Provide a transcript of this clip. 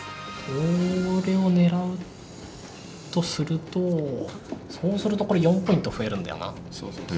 これを狙うとするとそうするとこれ４ポイント増えるんだよな。